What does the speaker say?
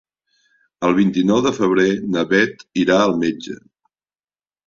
El vint-i-nou de febrer na Bet irà al metge.